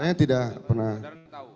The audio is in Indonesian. saya tidak pernah tahu